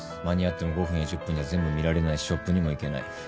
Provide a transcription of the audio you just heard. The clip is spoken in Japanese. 間に合っても５分や１０分じゃ全部見られないしショップにも行けない。